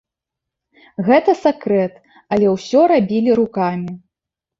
Гэта сакрэт, але ўсё рабілі рукамі.